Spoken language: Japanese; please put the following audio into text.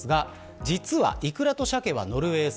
実はイクラとサケはノルウェー産。